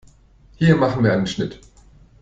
Hier machen wir einen Schnitt.